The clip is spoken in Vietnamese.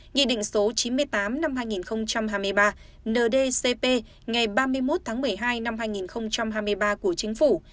nghị định số chín mươi tám năm hai nghìn hai mươi ba ndcp ngày ba mươi một tháng một mươi hai năm hai nghìn hai mươi ba của chính phủ